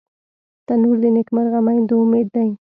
تنور د نیکمرغه میندو امید دی